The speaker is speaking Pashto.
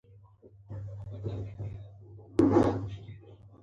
افغانستان د ژبو له پلوه خورا متنوع هېواد دی.